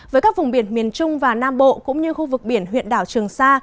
với các vùng biển miền trung và nam bộ cũng như khu vực biển huyện đảo trường sa